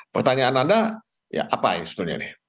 pertanyaan anda apa sebenarnya